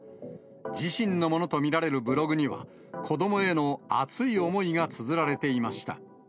自身のものと見られるブログには、子どもへの熱い思いがつづられていました。